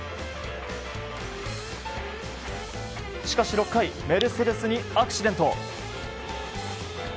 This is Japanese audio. しかし６回メルセデスにアクシデント。